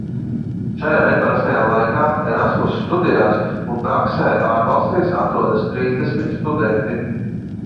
Šajā neparastajā laikā Erasmus studijās un praksē ārvalstīs atrodas trīsdesmit studenti.